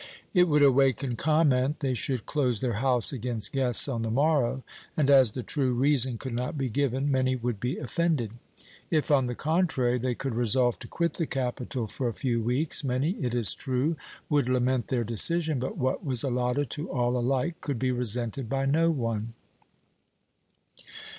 It would awaken comment they should close their house against guests on the morrow, and as the true reason could not be given, many would be offended. If, on the contrary, they could resolve to quit the capital for a few weeks, many, it is true, would lament their decision, but what was alloted to all alike could be resented by no one.